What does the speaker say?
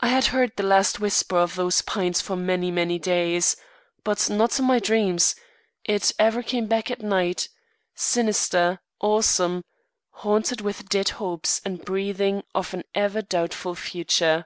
I had heard the last whisper of those pines for many, many days. But not in my dreams; it ever came back at night, sinister, awesome, haunted with dead hopes and breathing of an ever doubtful future.